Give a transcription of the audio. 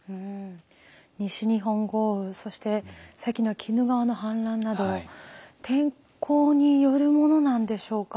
西日本豪雨そして先の鬼怒川の氾濫など天候によるものなんでしょうか？